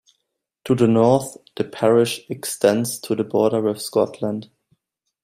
To the north the parish extends to the border with Scotland.